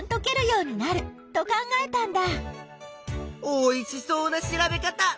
おいしそうな調べ方。